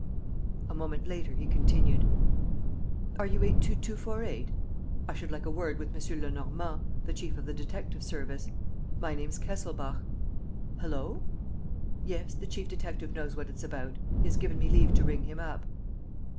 A moment later he continued: "Are you 822.48? I should like a word with M. Lenormand, the chief of the detective service. My name's Kesselbach. ... Hullo! ... Yes, the chief detective knows what it's about. He has given me leave to ring him up.